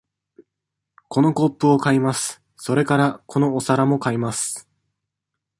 このコップを買います。それから、このお皿も買います。